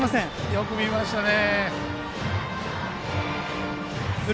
よく見ましたね。